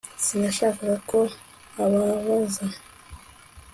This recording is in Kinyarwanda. sinashakaga ko ubabaza. (gleki